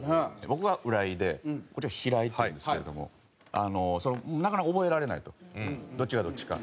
僕が浦井でこっちは平井っていうんですけれどもなかなか覚えられないとどっちがどっちか。